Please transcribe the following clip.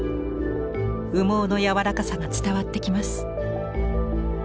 羽毛の柔らかさが伝わってきます。